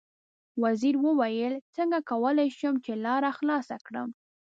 وزیر وویل: څنګه کولای شم چې لاره خلاصه کړم.